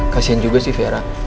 kasian juga sih vera